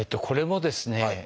これもですね